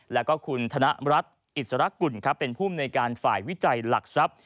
แล้วก็คุณธนรัฐอิสรกุลเป็นภูมิในการฝ่ายวิจัยหลักทรัพย์